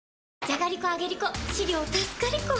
じゃがりこ、あげりこ！